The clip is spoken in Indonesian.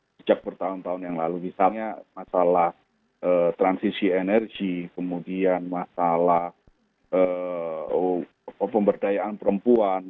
sejak bertahun tahun yang lalu misalnya masalah transisi energi kemudian masalah pemberdayaan perempuan